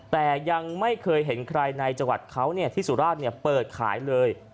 แต่ยังไม่เคยเห็นใครในจังหวัดเขาที่สุราชเปิดขายเลย